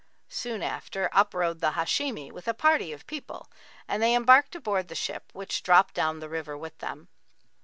Soon after, up rode the Hashimi, with a party of people, and they embarked aboard the ship, which dropped down the river with them.